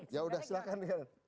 ya sudah silahkan